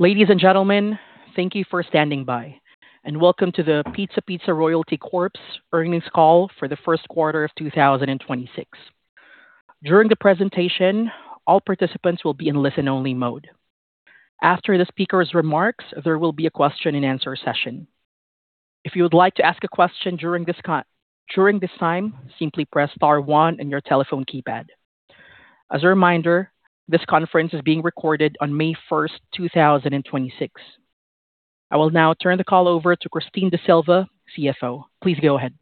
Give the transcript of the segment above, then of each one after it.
Ladies and gentlemen, thank you for standing by, and welcome to the Pizza Pizza Royalty Corp.'s earnings call for the first quarter of 2026. During the presentation, all participants will be in listen-only mode. After the speaker's remarks, there will be a question and answer session. If you would like to ask a question during this time, simply press star one on your telephone keypad. As a reminder, this conference is being recorded on May 1st, 2026. I will now turn the call over to Christine D'Sylva, CFO. Please go ahead.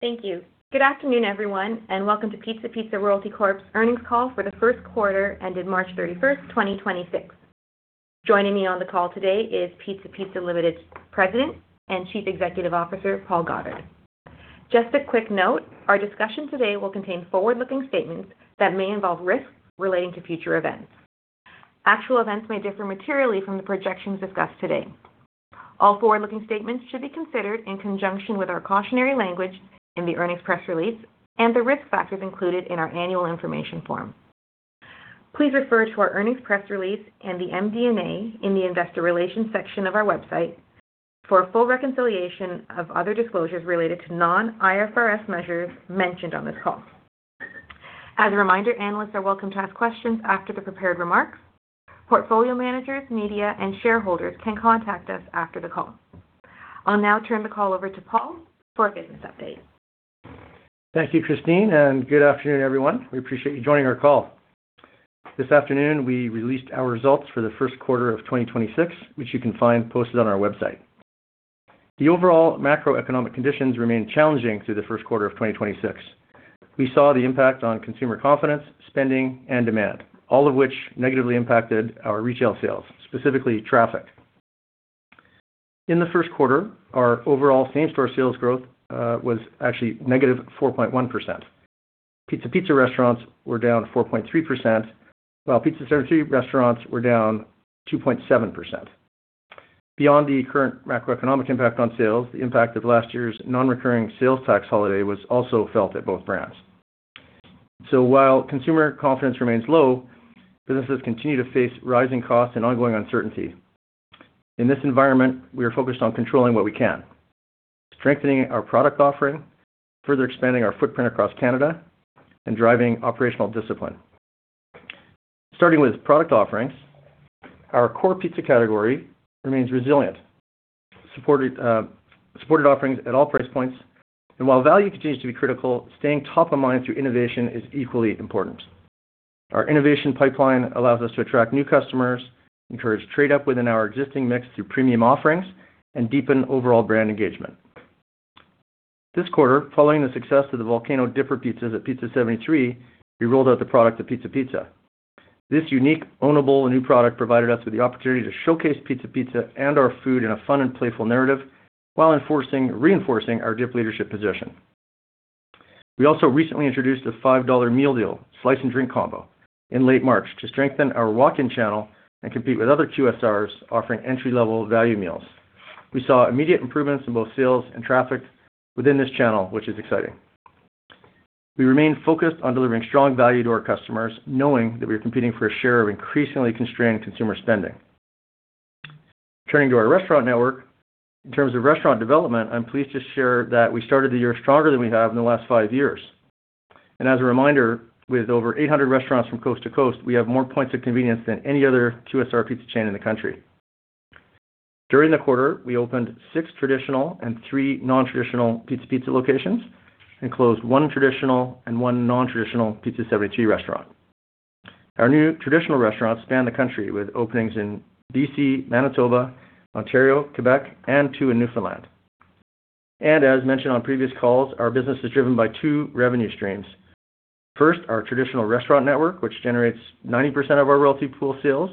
Thank you. Good afternoon, everyone, and welcome to Pizza Pizza Royalty Corp.'s earnings call for the first quarter ended March 31st, 2026. Joining me on the call today is Pizza Pizza Limited's President and Chief Executive Officer, Paul Goddard. Just a quick note, our discussion today will contain forward-looking statements that may involve risks relating to future events. Actual events may differ materially from the projections discussed today. All forward-looking statements should be considered in conjunction with our cautionary language in the earnings press release and the risk factors included in our annual information form. Please refer to our earnings press release and the MD&A in the investor relations section of our website for a full reconciliation of other disclosures related to non-IFRS measures mentioned on this call. As a reminder, analysts are welcome to ask questions after the prepared remarks. Portfolio managers, media, and shareholders can contact us after the call. I'll now turn the call over to Paul for a business update. Thank you, Christine, and good afternoon, everyone. We appreciate you joining our call. This afternoon, we released our results for the first quarter of 2026, which you can find posted on our website. The overall macroeconomic conditions remained challenging through the first quarter of 2026. We saw the impact on consumer confidence, spending, and demand, all of which negatively impacted our retail sales, specifically traffic. In the first quarter, our overall same-store sales growth was actually -4.1%. Pizza Pizza restaurants were down 4.3%, while Pizza 73 restaurants were down 2.7%. Beyond the current macroeconomic impact on sales, the impact of last year's non-recurring sales tax holiday was also felt at both brands. While consumer confidence remains low, businesses continue to face rising costs and ongoing uncertainty. In this environment, we are focused on controlling what we can, strengthening our product offering, further expanding our footprint across Canada, and driving operational discipline. Starting with product offerings, our core pizza category remains resilient, supported offerings at all price points. While value continues to be critical, staying top of mind through innovation is equally important. Our innovation pipeline allows us to attract new customers, encourage trade-up within our existing mix through premium offerings, and deepen overall brand engagement. This quarter, following the success of the Volcano Dipper pizzas at Pizza 73, we rolled out the product to Pizza Pizza. This unique ownable new product provided us with the opportunity to showcase Pizza Pizza and our food in a fun and playful narrative while reinforcing our dip leadership position. We also recently introduced a 5 dollar meal deal, slice and drink combo, in late March to strengthen our walk-in channel and compete with other QSRs offering entry-level value meals. We saw immediate improvements in both sales and traffic within this channel, which is exciting. We remain focused on delivering strong value to our customers, knowing that we are competing for a share of increasingly constrained consumer spending. Turning to our restaurant network, in terms of restaurant development, I'm pleased to share that we started the year stronger than we have in the last five years. As a reminder, with over 800 restaurants from coast to coast, we have more points of convenience than any other QSR pizza chain in the country. During the quarter, we opened six traditional and three non-traditional Pizza Pizza locations and closed one traditional and one non-traditional Pizza 73 restaurant. Our new traditional restaurants span the country with openings in B.C., Manitoba, Ontario, Quebec, and two in Newfoundland. As mentioned on previous calls, our business is driven by two revenue streams. First, our traditional restaurant network, which generates 90% of our royalty pool sales.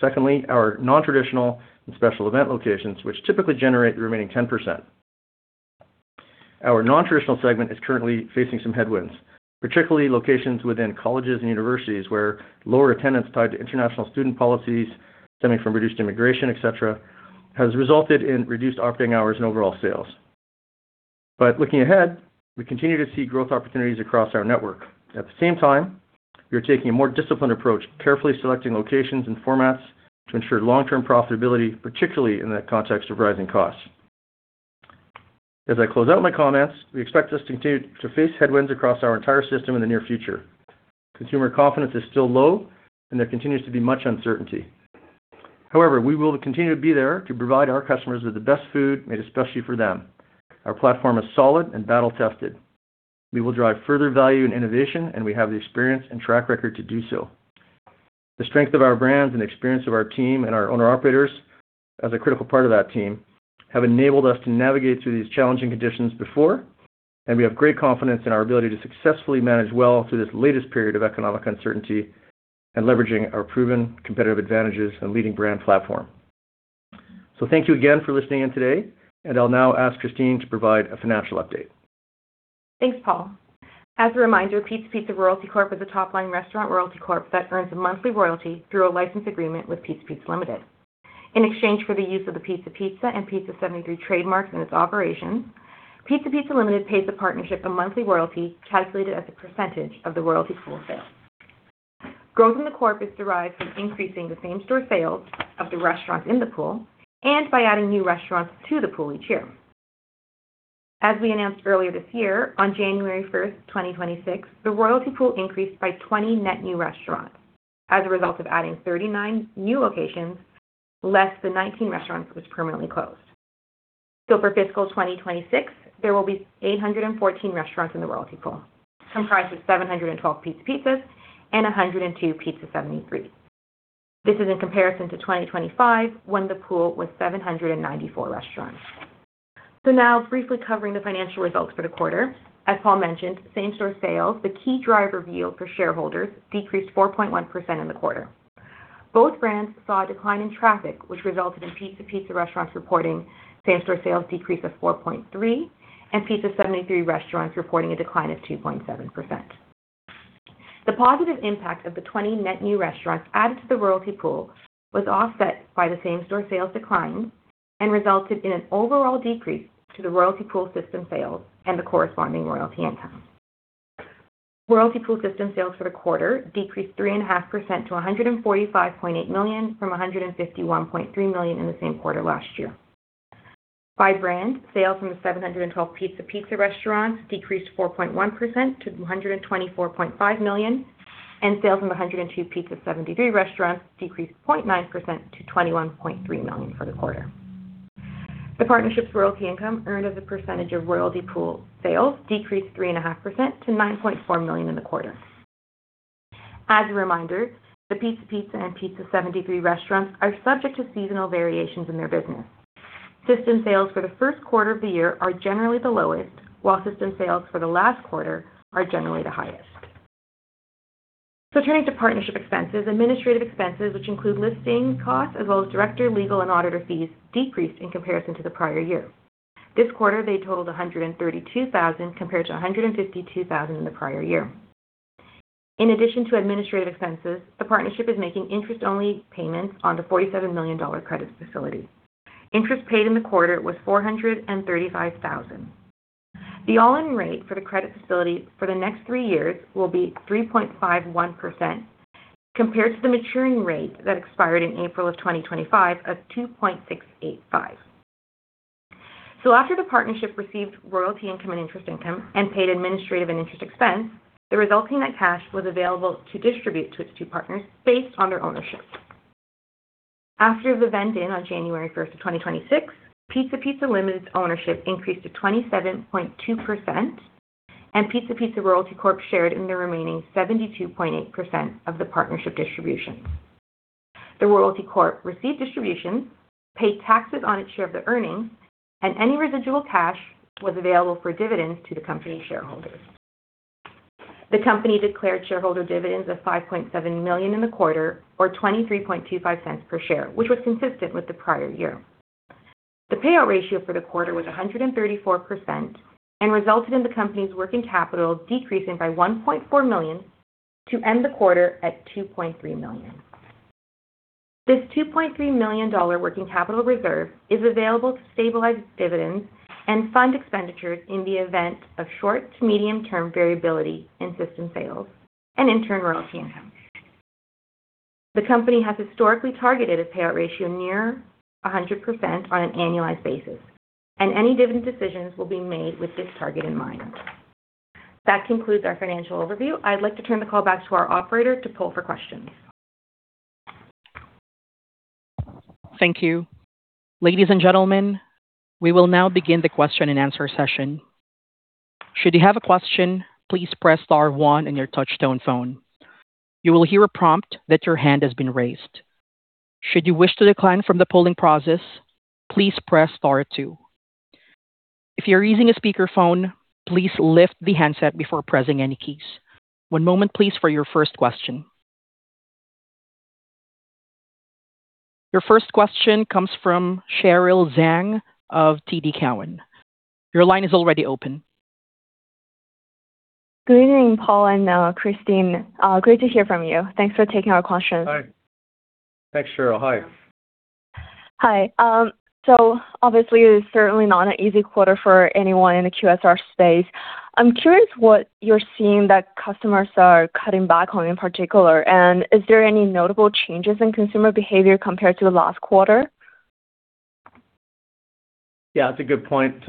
Secondly, our non-traditional and special event locations, which typically generate the remaining 10%. Our non-traditional segment is currently facing some headwinds, particularly locations within colleges and universities, where lower attendance tied to international student policies stemming from reduced immigration, et cetera, has resulted in reduced operating hours and overall sales. Looking ahead, we continue to see growth opportunities across our network. At the same time, we are taking a more disciplined approach, carefully selecting locations and formats to ensure long-term profitability, particularly in the context of rising costs. As I close out my comments, we expect us to continue to face headwinds across our entire system in the near future. Consumer confidence is still low, and there continues to be much uncertainty. However, we will continue to be there to provide our customers with the best food made especially for them. Our platform is solid and battle-tested. We will drive further value and innovation, and we have the experience and track record to do so. The strength of our brands and experience of our team and our owner-operators as a critical part of that team have enabled us to navigate through these challenging conditions before, and we have great confidence in our ability to successfully manage well through this latest period of economic uncertainty and leveraging our proven competitive advantages and leading brand platform. Thank you again for listening in today, and I'll now ask Christine to provide a financial update. Thanks, Paul. As a reminder, Pizza Pizza Royalty Corp. Is a top-line restaurant royalty corp that earns a monthly royalty through a license agreement with Pizza Pizza Limited. In exchange for the use of the Pizza Pizza and Pizza 73 trademarks in its operations, Pizza Pizza Limited pays the partnership a monthly royalty calculated as a percentage of the royalty pool sale. Growth in the corp is derived from increasing the same-store sales of the restaurants in the pool and by adding new restaurants to the pool each year. As we announced earlier this year, on January 1st, 2026, the royalty pool increased by 20 net new restaurants as a result of adding 39 new locations less than 19 restaurants was permanently closed. For fiscal 2026, there will be 814 restaurants in the royalty pool, comprised of 712 Pizza Pizzas and 102 Pizza 73s. This is in comparison to 2025, when the pool was 794 restaurants. Now briefly covering the financial results for the quarter. As Paul mentioned, same-store sales, the key driver yield for shareholders, decreased 4.1% in the quarter. Both brands saw a decline in traffic, which resulted in Pizza Pizza restaurants reporting same-store sales decrease of 4.3% and Pizza 73 restaurants reporting a decline of 2.7%. The positive impact of the 20 net new restaurants added to the royalty pool was offset by the same-store sales decline and resulted in an overall decrease to the royalty pool system sales and the corresponding royalty income. Royalty pool system sales for the quarter decreased 3.5% to 145.8 million from 151.3 million in the same quarter last year. By brand, sales from the 712 Pizza Pizza restaurants decreased 4.1% to 224.5 million, and sales from the 102 Pizza 73 restaurants decreased 0.9% to 21.3 million for the quarter. The partnership's royalty income earned as a percentage of royalty pool sales decreased 3.5% to 9.4 million in the quarter. As a reminder, the Pizza Pizza and Pizza 73 restaurants are subject to seasonal variations in their business. System sales for the first quarter of the year are generally the lowest, while system sales for the last quarter are generally the highest. Turning to partnership expenses. Administrative expenses, which include listing costs as well as director, legal and auditor fees, decreased in comparison to the prior year. This quarter, they totaled 132,000, compared to 152,000 in the prior year. In addition to administrative expenses, the partnership is making interest-only payments on the 47 million dollar credit facility. Interest paid in the quarter was 435,000. The all-in rate for the credit facility for the next three years will be 3.51% compared to the maturing rate that expired in April 2025 of 2.685%. After the partnership received royalty income and interest income and paid administrative and interest expense, the resulting net cash was available to distribute to its two partners based on their ownership. After the vesting, on January 1st, 2026, Pizza Pizza Limited's ownership increased to 27.2%, and Pizza Pizza Royalty Corp. Shared in the remaining 72.8% of the partnership distributions. The Royalty Corp. Received distributions, paid taxes on its share of the earnings, and any residual cash was available for dividends to the company's shareholders. The company declared shareholder dividends of 5.7 million in the quarter, or 0.2325 per share, which was consistent with the prior year. The payout ratio for the quarter was 134% and resulted in the company's working capital decreasing by 1.4 million to end the quarter at 2.3 million. This 2.3 million dollar working capital reserve is available to stabilize dividends and fund expenditures in the event of short to medium-term variability in system sales and in turn, royalty income. The company has historically targeted a payout ratio near 100% on an annualized basis, and any dividend decisions will be made with this target in mind. That concludes our financial overview. I'd like to turn the call back to our operator to poll for questions. Thank you. Ladies and gentlemen, we will now begin the question-and-answer session. Should you have a question, please press star one on your touchtone phone. You will hear a prompt that your hand has been raised. Should you wish to decline from the polling process, please press star two. If you're using a speakerphone, please lift the handset before pressing any keys. One moment, please, for your first question. Your first question comes from Cheryl Zhang of TD Cowen. Your line is already open. Good evening, Paul and Christine. Great to hear from you. Thanks for taking our question. Hi. Thanks, Cheryl. Hi. Hi. Obviously, it is certainly not an easy quarter for anyone in the QSR space. I'm curious what you're seeing that customers are cutting back on in particular, and is there any notable changes in consumer behavior compared to the last quarter? That's a good point,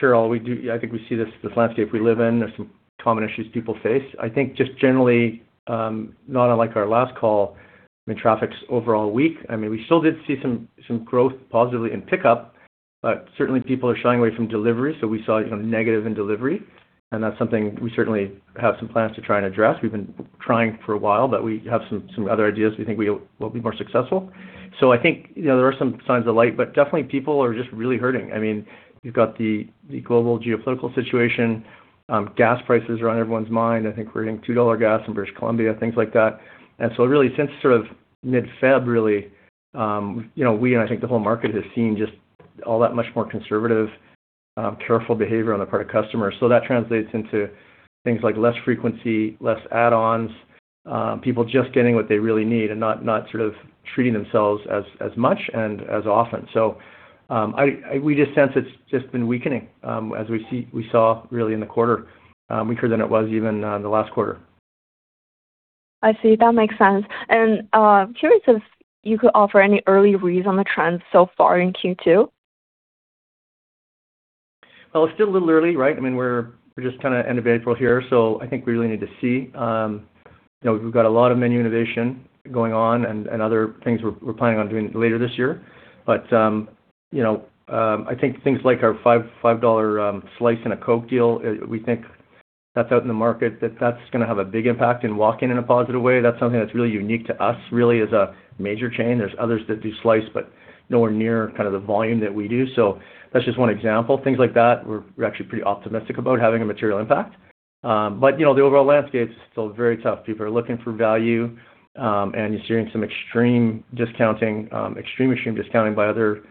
Cheryl. I think we see this landscape we live in. There's some common issues people face. I think just generally, not unlike our last call, I mean, traffic's overall weak. I mean, we still did see some growth positively in pickup, but certainly, people are shying away from delivery. We saw, you know, negative in delivery, and that's something we certainly have some plans to try and address. We've been trying for a while, but we have some other ideas we think we will be more successful. I think, you know, there are some signs of light, but definitely people are just really hurting. I mean, you've got the global geopolitical situation. Gas prices are on everyone's mind. I think we're hitting 2 dollar gas in British Columbia, things like that. Really since sort of mid-Feb, really, you know, we and I think the whole market has seen just all that much more conservative, careful behavior on the part of customers. That translates into things like less frequency, less add-ons. People just getting what they really need and not sort of treating themselves as much and as often. We just sense it's just been weakening, as we see, we saw really in the quarter, weaker than it was even in the last quarter. I see. That makes sense. Curious if you could offer any early reads on the trends so far in Q2. Well, it's still a little early, right? I mean, we're just kind of end of April here. I think we really need to see. You know, we've got a lot of menu innovation going on and other things we're planning on doing later this year. You know, I think things like our 5 dollar slice and a Coke deal, we think that's out in the market, that that's gonna have a big impact in walk-in, in a positive way. That's something that's really unique to us, really as a major chain. There's others that do slice, nowhere near kind of the volume that we do. That's just one example. Things like that, we're actually pretty optimistic about having a material impact. You know, the overall landscape's still very tough. People are looking for value. You're seeing some extreme discounting by other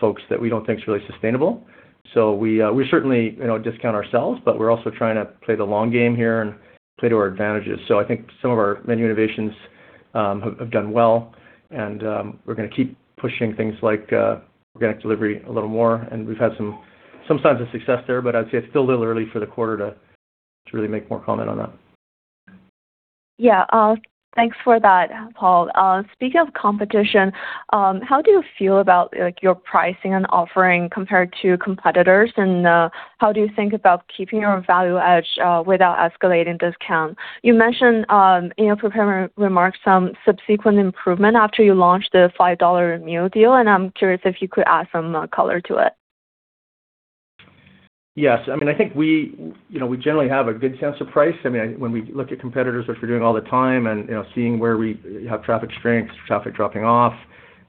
folks that we don't think is really sustainable. We certainly, you know, discount ourselves, but we're also trying to play the long game here and play to our advantages. I think some of our menu innovations have done well, and we're gonna keep pushing things like organic delivery a little more, and we've had some signs of success there, but I'd say it's still a little early for the quarter to really make more comment on that. Yeah. Thanks for that, Paul. Speaking of competition, how do you feel about, like, your pricing and offering compared to competitors? How do you think about keeping your value edge without escalating discount? You mentioned in your prepared remarks some subsequent improvement after you launched the 5 dollar meal deal, and I'm curious if you could add some color to it. Yes. I mean, I think we, you know, we generally have a good sense of price. I mean, when we look at competitors, which we're doing all the time, you know, seeing where we have traffic strengths, traffic dropping off,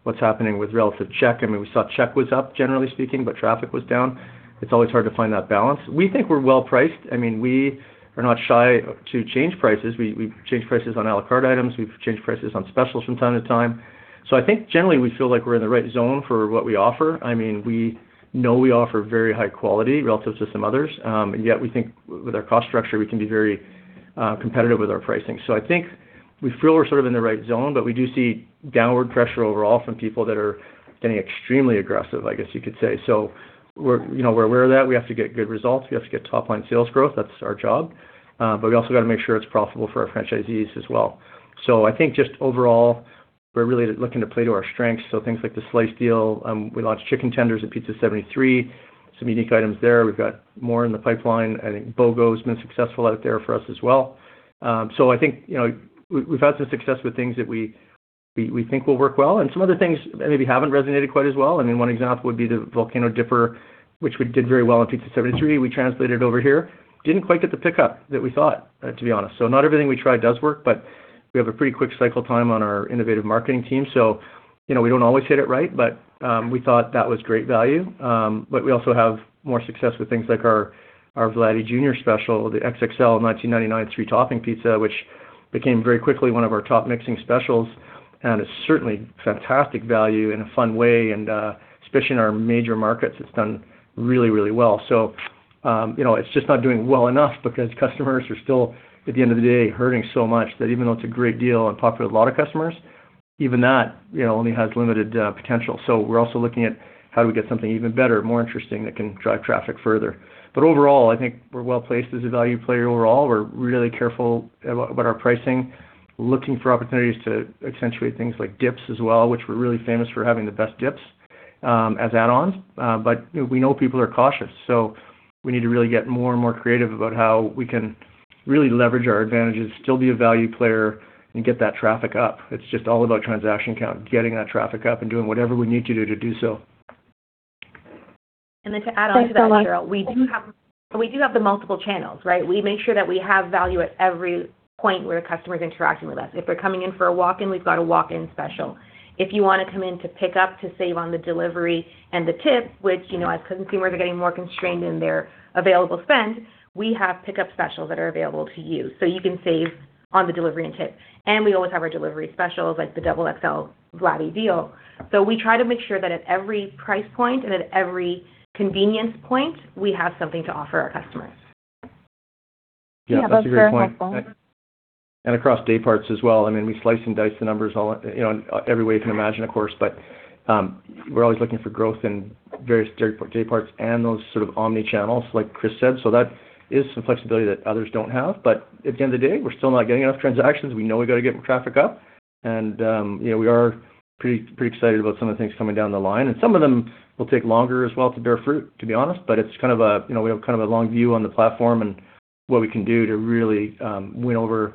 what's happening with relative check. I mean, we saw check was up, generally speaking, traffic was down. It's always hard to find that balance. We think we're well-priced. I mean, we are not shy to change prices. We've changed prices on à la carte items. We've changed prices on specials from time to time. I think generally we feel like we're in the right zone for what we offer. I mean, we know we offer very high quality relative to some others. Yet we think with our cost structure, we can be very competitive with our pricing. I think we feel we're sort of in the right zone, but we do see downward pressure overall from people that are getting extremely aggressive, I guess you could say. We're, you know, we're aware of that. We have to get good results. We have to get top-line sales growth. That's our job. We also gotta make sure it's profitable for our franchisees as well. I think just overall, we're really looking to play to our strengths, so things like the slice deal. We launched chicken tenders at Pizza 73, some unique items there. We've got more in the pipeline. I think BOGO's been successful out there for us as well. I think, you know, we've had some success with things that we think will work well and some other things maybe haven't resonated quite as well. I mean, one example would be the Volcano Dipper, which we did very well in Pizza 73. We translated it over here. Didn't quite get the pickup that we thought, to be honest. Not everything we try does work, but we have a pretty quick cycle time on our innovative marketing team. You know, we don't always hit it right, but we thought that was great value. We also have more success with things like our Vladdy Jr. special, the XXL 19.99 three-topping pizza, which became very quickly one of our top mixing specials, and it's certainly fantastic value in a fun way, and especially in our major markets, it's done really, really well. You know, it's just not doing well enough because customers are still, at the end of the day, hurting so much that even though it's a great deal and popular with a lot of customers, even that, you know, only has limited potential. We're also looking at how do we get something even better, more interesting, that can drive traffic further. Overall, I think we're well-placed as a value player overall. We're really careful about our pricing. We're looking for opportunities to accentuate things like dips as well, which we're really famous for having the best dips as add-ons. You know, we know people are cautious, so we need to really get more and more creative about how we can really leverage our advantages, still be a value player, and get that traffic up. It's just all about transaction count, getting that traffic up, and doing whatever we need to do to do so. To add on to that, Cheryl. Thanks a lot. Mm-hmm. We do have the multiple channels, right? We make sure that we have value at every point where a customer is interacting with us. If they're coming in for a walk-in, we've got a walk-in special. If you wanna come in to pick up to save on the delivery and the tip, which, you know, as consumers are getting more constrained in their available spend, we have pickup specials that are available to you, so you can save on the delivery and tip. We always have our delivery specials, like the XXL Vladdy deal. We try to make sure that at every price point and at every convenience point, we have something to offer our customers. Yeah, that's a great point. Yeah, that's very helpful. Across day parts as well. I mean, we slice and dice the numbers all, you know, every way you can imagine, of course. We're always looking for growth in various day parts and those sort of omnichannels, like Chris said. That is some flexibility that others don't have. At the end of the day, we're still not getting enough transactions. We know we've got to get traffic up and, you know, we are pretty excited about some of the things coming down the line, and some of them will take longer as well to bear fruit, to be honest. It's kind of a, you know, we have kind of a long view on the platform and what we can do to really win over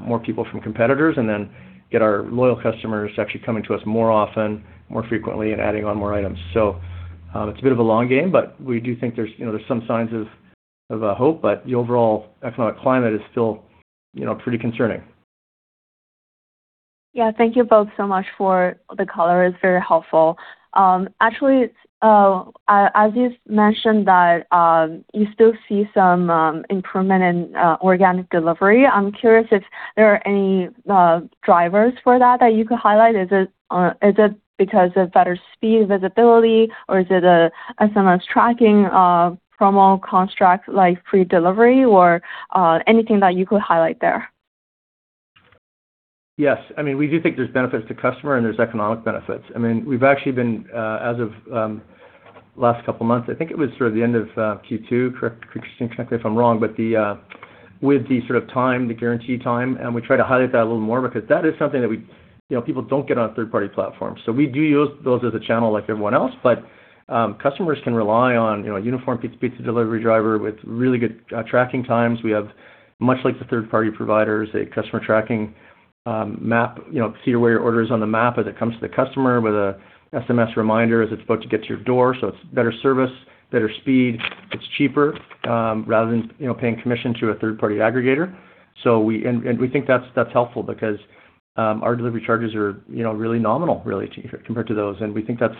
more people from competitors and then get our loyal customers to actually coming to us more often, more frequently, and adding on more items. It's a bit of a long game, but we do think there's, you know, there's some signs of hope, but the overall economic climate is still, you know, pretty concerning. Yeah. Thank you both so much for the color. It's very helpful. Actually, it's, as you've mentioned that, you still see some improvement in organic delivery, I'm curious if there are any drivers for that you could highlight. Is it, is it because of better speed, visibility, or is it a SMS tracking, promo construct like free delivery or anything that you could highlight there? Yes. I mean, we do think there's benefits to customer and there's economic benefits. I mean, we've actually been, as of, last couple of months, I think it was sort of the end of Q2. Correct, correct me if I'm wrong, with the sort of time, the guarantee time, and we try to highlight that a little more because that is something that we, you know, people don't get on third-party platforms. We do use those as a channel like everyone else. Customers can rely on, you know, uniform Pizza Pizza delivery driver with really good tracking times. We have, much like the third-party providers, a customer tracking map. You know, see where your order is on the map as it comes to the customer with a SMS reminder as it's about to get to your door. It's better service, better speed. It's cheaper, rather than, you know, paying commission to a third-party aggregator. We think that's helpful because our delivery charges are, you know, really nominal compared to those, and we think that's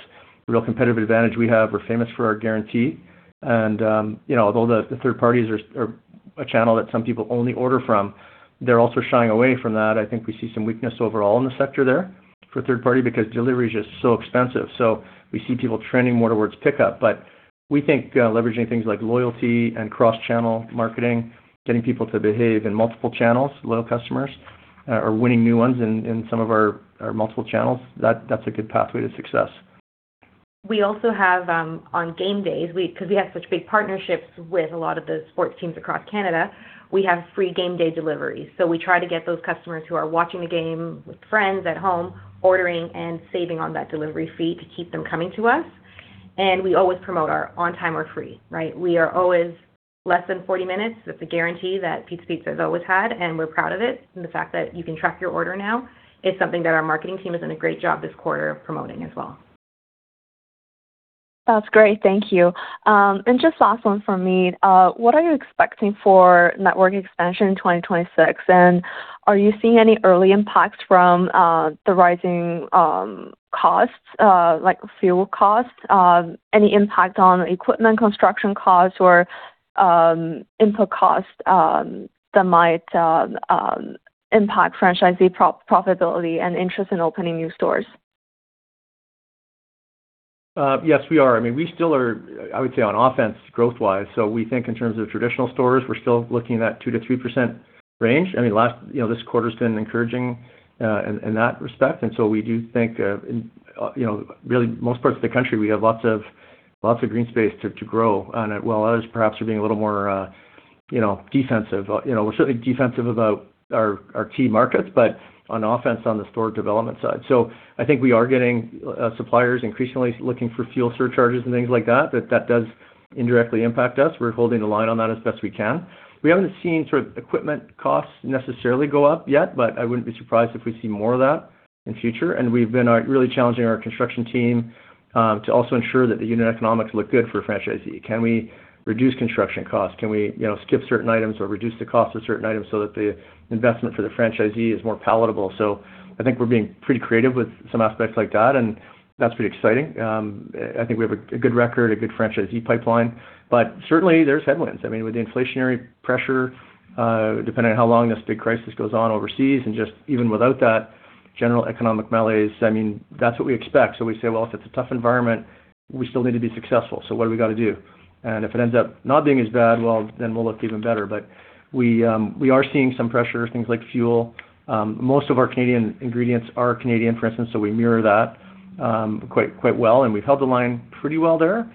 a real competitive advantage we have. We're famous for our guarantee and, you know, although the third parties are a channel that some people only order from, they're also shying away from that. I think we see some weakness overall in the sector there for third party because delivery is just so expensive. We see people trending more towards pickup. We think leveraging things like loyalty and cross-channel marketing, getting people to behave in multiple channels, loyal customers, or winning new ones in some of our multiple channels, that's a good pathway to success. We also have on game days, 'cause we have such big partnerships with a lot of the sports teams across Canada, we have free game day deliveries. We try to get those customers who are watching the game with friends at home, ordering and saving on that delivery fee to keep them coming to us. We always promote our on time or free, right? We are always less than 40 minutes. That's a guarantee that Pizza Pizza has always had, and we're proud of it. The fact that you can track your order now is something that our marketing team has done a great job this quarter of promoting as well. That's great. Thank you. Just last one from me. What are you expecting for network expansion in 2026? Are you seeing any early impact from the rising costs, like fuel costs? Any impact on equipment construction costs or input costs that might impact franchisee pro-profitability and interest in opening new stores? Yes, we are. I mean, we still are, I would say, on offense growth-wise. We think in terms of traditional stores, we're still looking at that 2%-3% range. I mean, last, you know, this quarter's been encouraging in that respect. We do think, you know, really most parts of the country, we have lots of, lots of green space to grow on it. While others perhaps are being a little more, you know, defensive. You know, we're certainly defensive about our key markets, but on offense on the store development side. I think we are getting suppliers increasingly looking for fuel surcharges and things like that, that does indirectly impact us. We're holding the line on that as best we can. We haven't seen sort of equipment costs necessarily go up yet, but I wouldn't be surprised if we see more of that in future. We've been really challenging our construction team to also ensure that the unit economics look good for a franchisee. Can we reduce construction costs? Can we, you know, skip certain items or reduce the cost of certain items so that the investment for the franchisee is more palatable? I think we're being pretty creative with some aspects like that, and that's pretty exciting. I think we have a good record, a good franchisee pipeline, but certainly, there's headwinds. I mean, with the inflationary pressure, depending on how long this big crisis goes on overseas, and just even without that general economic malaise, I mean, that's what we expect. We say, if it's a tough environment, we still need to be successful. What do we gotta do? If it ends up not being as bad, we'll look even better. We are seeing some pressure, things like fuel. Most of our Canadian ingredients are Canadian, for instance, so we mirror that quite well, and we've held the line pretty well there.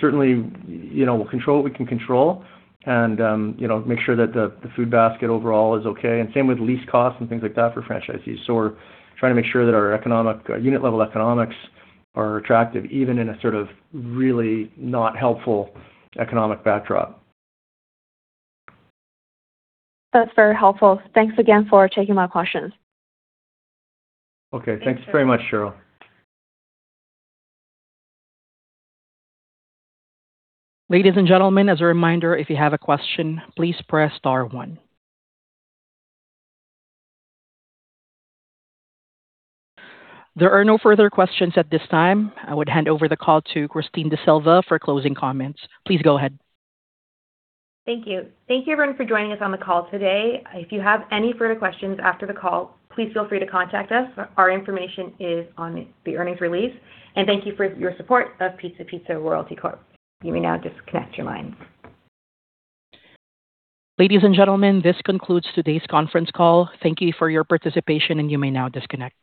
Certainly, you know, we'll control what we can control and, you know, make sure that the food basket overall is okay, and same with lease costs and things like that for franchisees. We're trying to make sure that our economic unit level economics are attractive even in a sort of really not helpful economic backdrop. That's very helpful. Thanks again for taking my questions. Okay. Thanks very much, Cheryl. Ladies and gentlemen, as a reminder, if you have a question, please press star one. There are no further questions at this time. I would hand over the call to Christine D'Sylva for closing comments. Please go ahead. Thank you. Thank you, everyone, for joining us on the call today. If you have any further questions after the call, please feel free to contact us. Our information is on the earnings release. Thank you for your support of Pizza Pizza Royalty Corp. You may now disconnect your lines. Ladies and gentlemen, this concludes today's conference call. Thank you for your participation, and you may now disconnect.